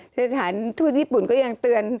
เฉพาะสถานทุนญี่ปุ่นก็ยังเตือน